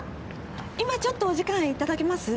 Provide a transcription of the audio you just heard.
今ちょっとお時間いただけます？